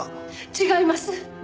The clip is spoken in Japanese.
違います！